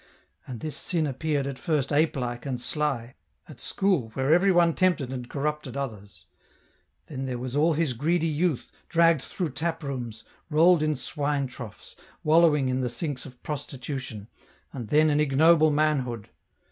And this sin appeared at first ape like and sly, at school where everyone tempted and corrupted others ; then there was all his greedy youth, dragged through tap rooms, rolled in swine troughs, wallowing in the sinks of prostitution, and then an ignoble manhood.